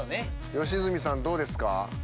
良純さんどうですか？